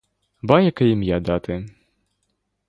Ба яке ім'я дати?